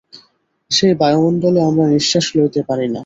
সেই বায়ুমণ্ডলে আমরা নিঃশ্বাস লইতে পারি না।